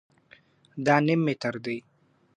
دا نيم متر دئ.